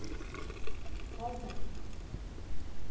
Ҡалһын.